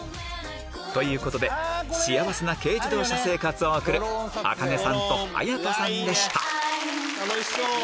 ということで幸せな軽自動車生活を送るあかねさんとはやとさんでしたステキ！